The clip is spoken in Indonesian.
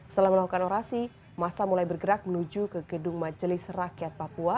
setelah melakukan orasi masa mulai bergerak menuju ke gedung majelis rakyat papua